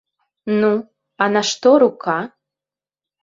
Ну, а на што рука?